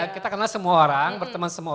kita kenal semua orang berteman semua